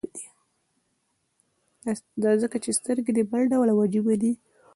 دا ځکه چې سترګې دې بل ډول او عجيبه دي.